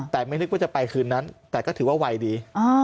แต่ไม่นึกว่าจะไปคืนนั้นแต่ก็ถือว่าวัยดี